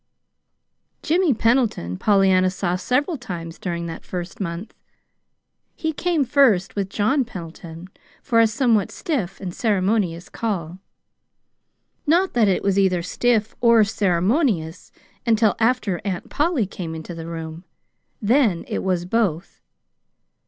Jimmy Pendleton Pollyanna saw several times during that first month. He came first with John Pendleton for a somewhat stiff and ceremonious call not that it was either stiff or ceremonious until after Aunt Polly came into the room; then it was both.